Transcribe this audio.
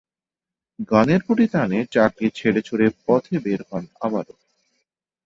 গানের প্রতি টানে চাকরি ছেড়ে-ছুড়ে পথে বের হন আবারও।